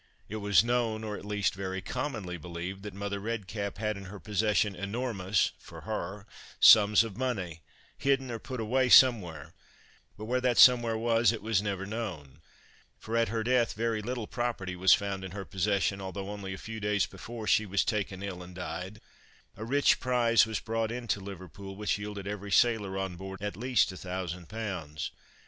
It was known, or at least, very commonly believed, that Mother Redcap had in her possession enormous (for her) sums of money, hidden or put away somewhere; but where that somewhere was, it was never known; for, at her death, very little property was found in her possession, although only a few days before she was taken ill and died, a rich prize was brought into Liverpool which yielded every sailor on board at least a thousand pounds.